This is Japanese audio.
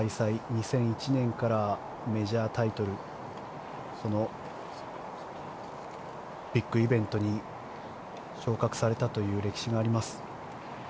２００１年からメジャータイトルビッグイベントに昇格されたという歴史があります。